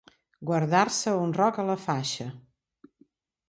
Guardar-se un roc a la faixa.